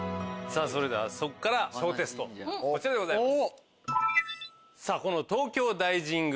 それではそこから小テストこちらでございます。